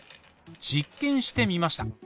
実験してみました。